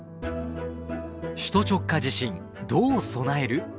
「首都直下地震どう備える？」。